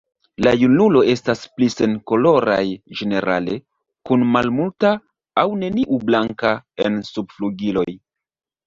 La junulo estas pli senkoloraj ĝenerale, kun malmulta aŭ neniu blanka en subflugiloj.